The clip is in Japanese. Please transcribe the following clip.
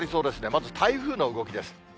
まず台風の動きです。